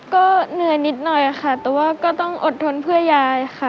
ก็เหนื่อยนิดหน่อยค่ะแต่ว่าก็ต้องอดทนเพื่อยายค่ะ